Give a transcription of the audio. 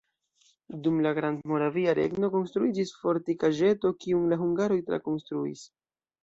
Dum la Grandmoravia regno konstruiĝis fortikaĵeto, kiun la hungaroj trakonstruis.